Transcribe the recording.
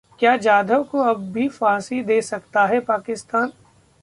क्या जाधव को अब भी फांसी दे सकता है पाकिस्तान?